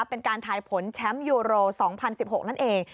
เป็นการทายผลแชมป์ยูโร๒๐๑๖นั่นเอง